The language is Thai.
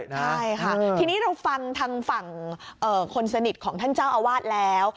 ใช่ค่ะทีนี้เราฟังทางฝั่งคนสนิทของท่านเจ้าอาวาสแล้ว